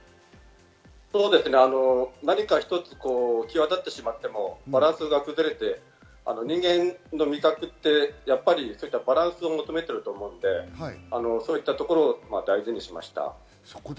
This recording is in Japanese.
何か一つ際立ってしまっても、バランスが崩れて、人間の味覚ってバランスを求めていると思ってそういったところを大事にしました。